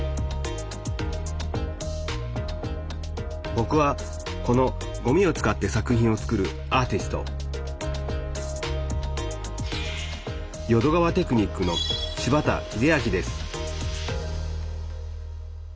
ぼくはこのごみを使って作品を作るアーティスト淀川テクニックの柴田英昭です